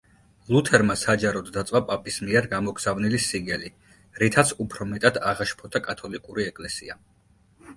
ლუთერმა საჯაროდ დაწვა პაპის მიერ გამოგზავნილი სიგელი, რითაც უფრო მეტად აღაშფოთა კათოლიკური ეკლესია.